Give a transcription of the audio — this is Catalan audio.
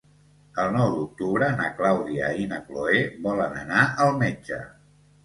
El nou d'octubre na Clàudia i na Cloè volen anar al metge.